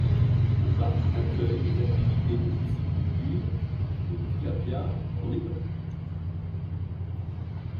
Le Parc accueille des activités de pisciculture de tilapia en étang.